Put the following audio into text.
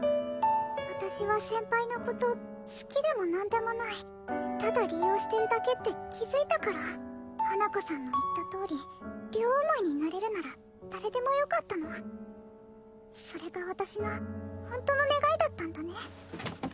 私は先輩のこと好きでもなんでもないただ利用してるだけって気づいたから花子さんの言ったとおり両思いになれるなら誰でもよかったのそれが私のホントの願いだったんだね